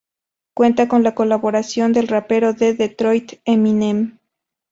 Cuenta con la colaboración del rapero de Detroit, Eminem.